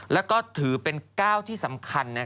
แล้วก็ถือเป็นก้าวที่สำคัญ